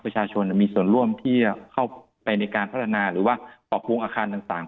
ประชาชนมีส่วนร่วมที่จะเข้าไปในการพัฒนาหรือว่าปรับปรุงอาคารต่าง